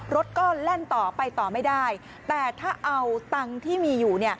รถก็แล่นต่อไปต่อไม่ได้แต่ถ้าเอาตังค์ที่มีอยู่